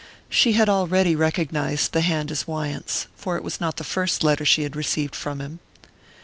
She had already recognized the hand as Wyant's, for it was not the first letter she had received from him.